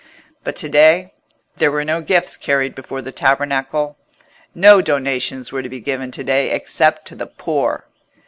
But to day there were no gifts carried before the tabernacle: no donations were to be given to day except to the poor.